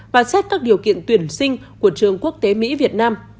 và xét các điều kiện tuyển sinh của trường quốc tế mỹ việt nam